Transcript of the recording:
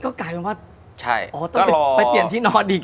ก็กลายเป็นว่าต้องไปเปลี่ยนที่นอนอีก